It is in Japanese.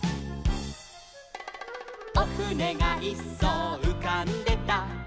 「おふねがいっそううかんでた」